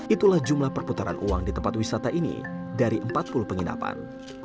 itulah jumlah perputaran uang di tempat wisata ini dari empat puluh penginapan